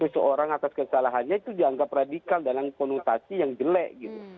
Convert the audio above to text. seseorang atas kesalahannya itu dianggap radikal dalam konotasi yang jelek gitu